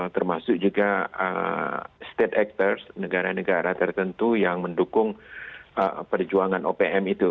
termasuk juga state actors negara negara tertentu yang mendukung perjuangan opm itu